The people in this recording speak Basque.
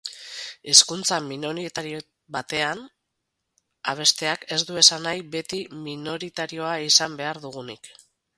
Hizkuntza minoritario batean abesteak ez du esan nahi beti minoritario izan behar dugunik.